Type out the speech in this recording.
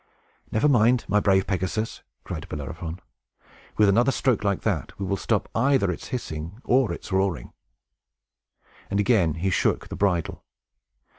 "Never mind, my brave Pegasus!" cried Bellerophon. "With another stroke like that, we will stop either its hissing or its roaring." And again he shook the bridle.